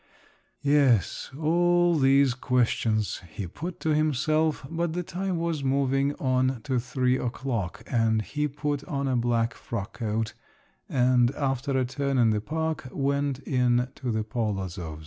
Yes…. All these question he put to himself, but the time was moving on to three o'clock, and he put on a black frockcoat and after a turn in the park, went in to the Polozovs!